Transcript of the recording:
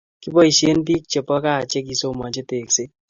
Kipaishen pik che po kaa che kisomachi tekset